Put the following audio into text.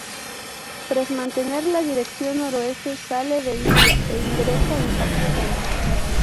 Tras mantener la dirección noroeste, sale de India e ingresa en Pakistán.